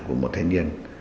của một thanh niên